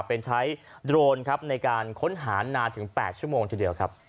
เป็นใช้โดรนครับในการค้นหานานถึง๘ชั่วโมงทีเดียวครับ